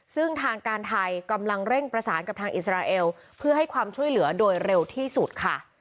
ซึ่งทางการไทยกำลังเร่งประสานกับทางอิสราเอลเพื่อให้ความช่วยเหลือโดยเร็วที่สุดค่ะ